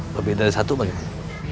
lebih dari satu bagaimana